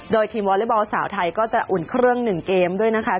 โดยทีมวอเล็กบอลสาวไทยก็จะอุ่นเครื่อง๑เกมด้วยนะคะ